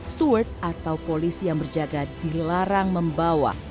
steward atau polisi yang berjaga dilarang membawa